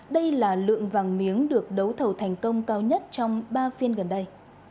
đây là lượng vàng miếng được đấu thầu thành công cao nhất trong ba phiên gần đây